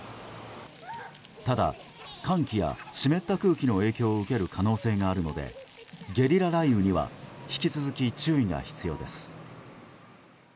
ただ、寒気や湿った空気の影響を受ける可能性があるのでゲリラ雷雨には引き続き注意が必要です。